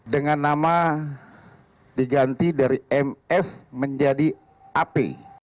dengan nama diganti dari mf menjadi ap